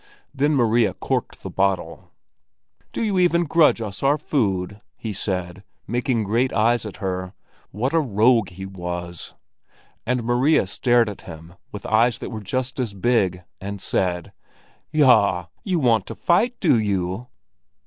Then Maria corked the bottle. "Do you even grudge us our food?" he said, making great eyes at her—what a rogue he was! And Maria stared at him with eyes that were just as big, and said: "Yah! you want to fight, do you?"